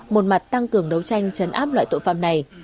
một mặt tăng cường đấu tranh chấn áp loại tội phạm này